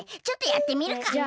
ちょっとやってみるか。